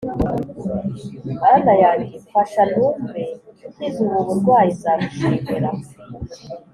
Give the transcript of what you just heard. Mana yanjye mfasha numve nkize ubu burwayi nzagushimira.